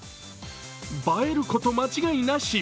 映えること間違いなし。